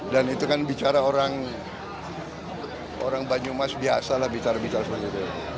dan itu kan bicara orang banyumas biasa lah bicara bicara seperti itu